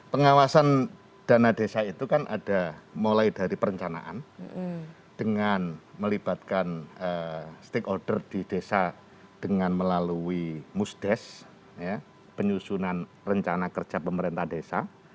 pengawasan dana desa itu kan ada mulai dari perencanaan dengan melibatkan stakeholder di desa dengan melalui musdes penyusunan rencana kerja pemerintah desa